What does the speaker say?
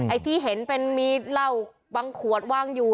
ไอ้ที่เห็นเป็นมีเอาวะขวดวั้งอยู่